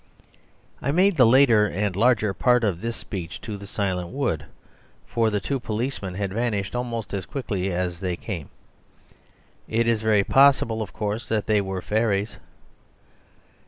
I made the later and larger part of this speech to the silent wood, for the two policemen had vanished almost as quickly as they came. It is very possible, of course, that they were fairies.